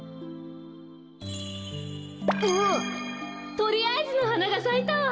とりあえずのはながさいたわ！